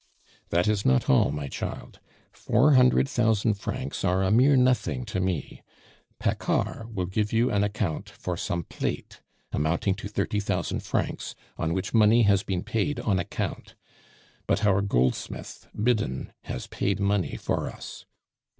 "That is not all, my child. Four hundred thousand francs are a mere nothing to me. Paccard will give you an account for some plate, amounting to thirty thousand francs, on which money has been paid on account; but our goldsmith, Biddin, has paid money for us.